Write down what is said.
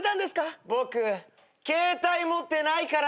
僕携帯持ってないからね。